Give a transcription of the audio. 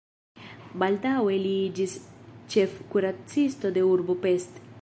Baldaŭe li iĝis ĉefkuracisto de urbo Pest.